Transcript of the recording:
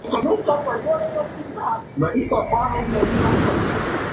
Cabe mencionar que en las cuatro cintas el protagonista fue el actor Damián Alcázar.